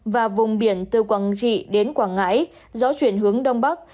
và vùng biển từ quảng trị đến quảng ngãi gió chuyển hướng đông bắc